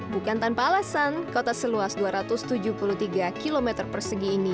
bukan tanpa alasan kota seluas dua ratus tujuh puluh tiga km persegi ini